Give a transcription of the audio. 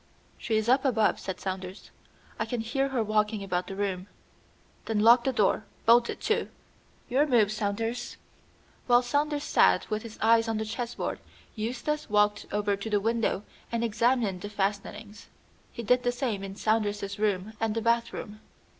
"She is up above," said Saunders; "I can hear her walking about the room." "Then lock the door; bolt it too. Your move, Saunders." While Saunders sat with his eyes on the chessboard, Eustace walked over to the window and examined the fastenings. He did the same in Saunders's room and the bathroom.